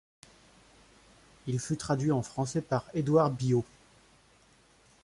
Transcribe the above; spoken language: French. Il fut traduit en français par Édouard Biot.